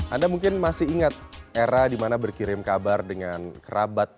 anda mungkin masih ingat era di mana berkirim kabar dengan kerabat